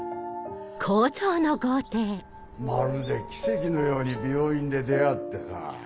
まるで奇跡のように病院で出会ってさ。